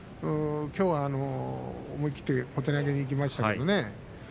きょうは思い切って小手投げにいきましたけれどね